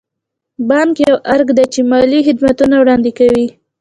بانک یو ارګان دی چې مالي خدمتونه وړاندې کوي.